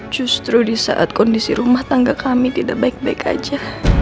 justru di saat kondisi rumah tangga kami tidak baik baik saja